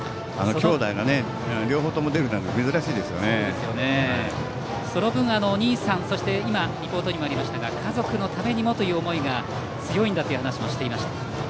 その分、お兄さんそしてリポートにもありましたが家族のためにもという思いが強いんだという話もしていました。